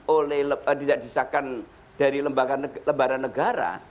oleh tidak disahkan dari lembaga lembaga negara